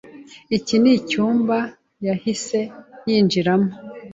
Iki nicyumba yahise yinjiramo.